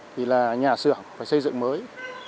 thì là nhà xưởng phải xây dựng mới